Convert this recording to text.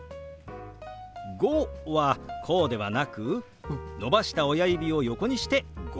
「５」はこうではなく伸ばした親指を横にして「５」。